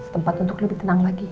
tempat untuk lebih tenang lagi